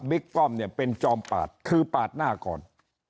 ป้อมเนี่ยเป็นจอมปาดคือปาดหน้าก่อน